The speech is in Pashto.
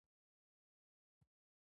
احمده! ژر ژر ځان تيار کړه؛ ناوخته دی.